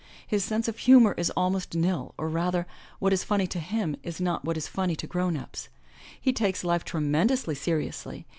His sense of humor is almost nil, or, rather, what is funny to him is not what is funny to grown ups. He takes life tremendously seriously.